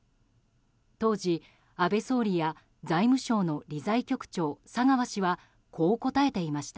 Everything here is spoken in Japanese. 当時、安倍総理や財務省の理財局長・佐川氏はこう答えていました。